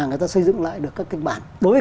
người ta xây dựng lại được các kịch bản đối với